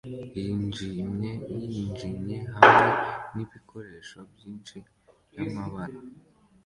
yijimye yijimye hamwe nibikoresho byinshi byamabara